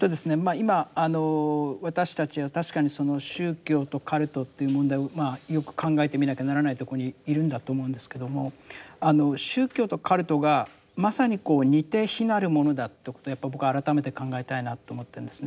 今あの私たちは確かに宗教とカルトという問題をよく考えてみなきゃならないとこにいるんだと思うんですけども宗教とカルトがまさにこう似て非なるものだってことやっぱ僕改めて考えたいなと思ってるんですね。